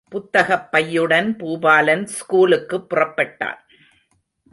புத்தகப் பையுடன் பூபாலன் ஸ்கூலுக்குப் புறப்பட்டான்.